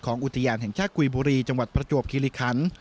อุทยานแห่งชาติกุยบุรีจังหวัดประจวบคิริคัน